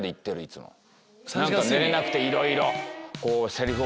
何か寝れなくていろいろ。